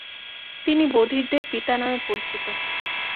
তিনি “বধিরদের পিতা” নামে পরিচিত।